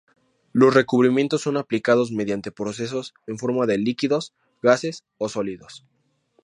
Los recubrimientos son aplicados mediante procesos en forma de líquidos, gases o sólidos.